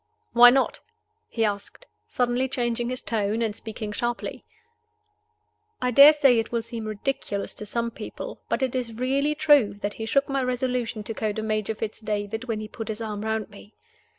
"Why not?" he asked, suddenly changing his tone, and speaking sharply. I dare say it will seem ridiculous to some people, but it is really true that he shook my resolution to go to Major Fitz David when he put his arm round me.